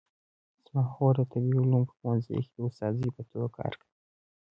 زما خور د طبي علومو په پوهنځي کې د استادې په توګه کار کوي